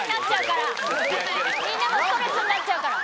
みんなもストレスになっちゃうから。